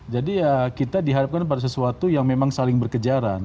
jadi ya kita diharapkan pada sesuatu yang memang saling berkejaran